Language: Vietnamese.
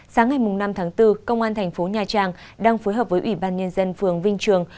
sáng ngày năm tháng bốn công an thành phố nha trang đang phối hợp với ủy ban nhân dân phường vinh trường